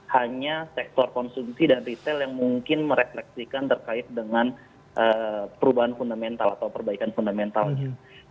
hanya sektor konsumsi dan retail yang mungkin merefleksikan terkait dengan perubahan fundamental atau perbaikan fundamentalnya